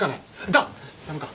ダダメか。